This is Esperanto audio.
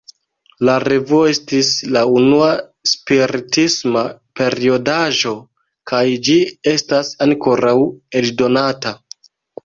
La revuo estis la unua spiritisma periodaĵo, kaj ĝi estas ankoraŭ eldonata.